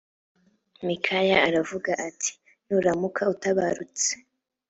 mikaya aravuga ati nuramuka utabarutse